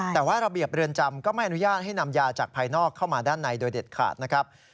แต่ว่าระเบียบเรือนจำก็ไม่อนุญาตให้นำยาจากภายนอกเข้ามาด้านในโดยเด็ดขาดนะครับ